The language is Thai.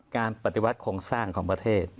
การปฏิวัติโครงสร้างของประเทศ